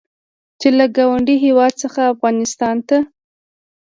چې له ګاونډي هېواد څخه افغانستان ته